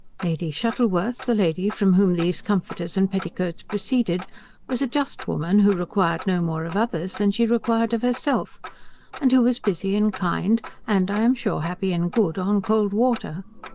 Lady Shuttleworth, the lady from whom these comforters and petticoats proceeded, was a just woman who required no more of others than she required of herself, and who was busy and kind, and, I am sure happy and good, on cold water.